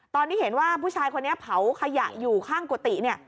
ตอนนี้เห็นว่าผู้ชายคนนี้เผาขยะอยู่ข้างกุฏิเนี่ย